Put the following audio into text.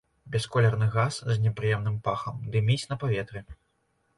Бясколерны газ з непрыемным пахам, дыміць на паветры.